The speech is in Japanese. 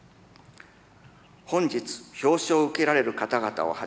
本日表彰を受けられる方々をはじめ